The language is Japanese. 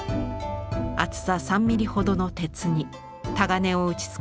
厚さ３ｍｍほどの鉄にたがねを打ちつけ